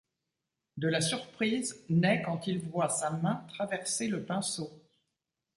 De la surprise naît quand il voit sa main traverser le pinceau.